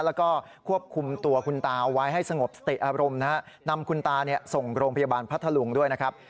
แล้วก็ควบคุมตัวคุณตาเอาไว้ให้สงบสติอารมณ์นะฮะนำคุณตาเนี่ยส่งโรงพยาบาลพัทธลุงด้วยนะครับ